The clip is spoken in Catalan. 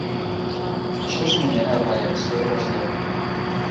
Això s'anomena reacció d'evasió.